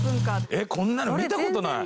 えっこんなの見たことない。